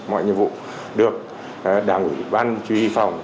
mọi nhiệm vụ được đảng ủy ban truy phòng